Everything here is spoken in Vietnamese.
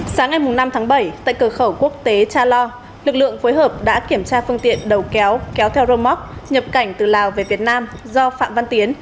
sáng ngày năm tháng bảy tại cờ khẩu quốc tế cha lo lực lượng phối hợp đã kiểm tra phương tiện đầu kéo kéo theo rơ móc nhập cảnh từ lào về việt nam do phạm văn tiến